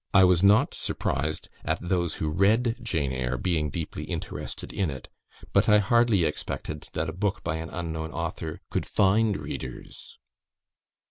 I was not surprised at those who read "Jane Eyre" being deeply interested in it; but I hardly expected that a book by an unknown author could find readers."